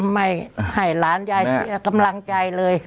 ไม่ให้หลานยายเสียกำลังใจเลย